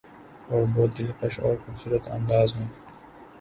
اور بہت دلکش اورخوبصورت انداز میں